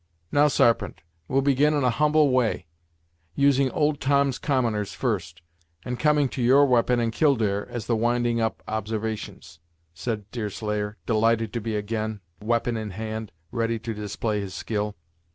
"Now, Sarpent, we'll begin in a humble way, using Old Tom's commoners first, and coming to your we'pon and Killdeer as the winding up observations," said Deerslayer, delighted to be again, weapon in hand, ready to display his skill.